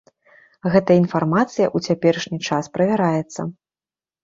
Гэтая інфармацыя ў цяперашні час правяраецца.